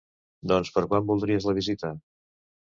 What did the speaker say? Doncs per quan voldries la visita?